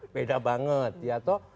beda banget ya toh